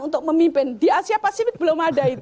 untuk memimpin di asia pasifik belum ada itu